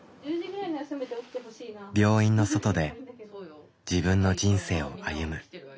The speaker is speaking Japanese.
病院の外で自分の人生を歩む。